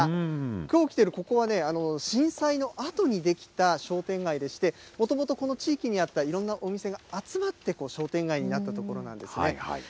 きょう来てるここはね、震災のあとに出来た商店街でして、もともとこの地域にあったいろんなお店が集まって、商店街になった所なんですね。